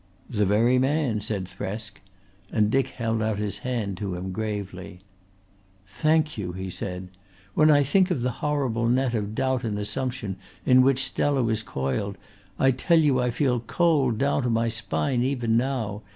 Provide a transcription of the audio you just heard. "The very man," said Thresk, and Dick held out his hand to him gravely. "Thank you," he said. "When I think of the horrible net of doubt and assumption in which Stella was coiled, I tell you I feel cold down my spine even now.